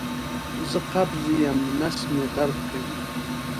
زه قبض یم نس مې درد کوي